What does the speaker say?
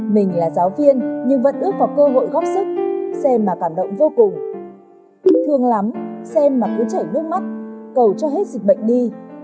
mình là giáo viên nhưng vẫn ước có cơ hội góp sức xem mà cảm động vô cùng thương lắm xem mà cứ chảy nước mắt cầu cho hết dịch bệnh đi